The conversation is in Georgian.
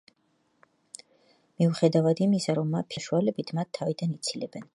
მიუხედავად იმისა, რომ მაფია მათ მისდევს, სხვადასხვა საშუალებით მათ თავიდან იცილებენ.